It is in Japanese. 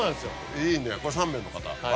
いいねこれ３名の方。